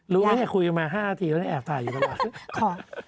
รู้ไหมเนี่ยคุยกันมา๕นาทีแล้วเนี่ยแอบถ่ายอยู่ตลอด